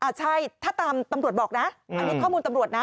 ใช่ถ้าตามตำรวจบอกนะอันนี้ข้อมูลตำรวจนะ